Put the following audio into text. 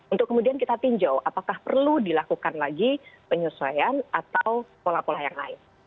untuk kemudian kita tinjau apakah perlu dilakukan lagi penyesuaian atau pola pola yang lain